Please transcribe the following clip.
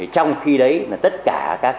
trong khi đấy tất cả các